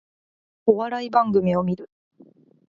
お笑い番組を観る